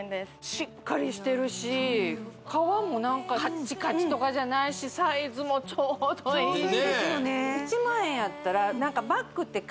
しっかりしてるし革も何かカッチカチとかじゃないしサイズもちょうどいいしちょうどいいですよね